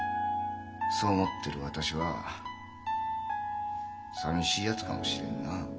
そう思ってる私はさみしいやつかもしれんな。